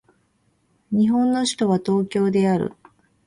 日本の首都は東京である